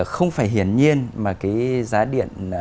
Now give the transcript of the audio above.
không phải hiển nhiên mà cái giá điện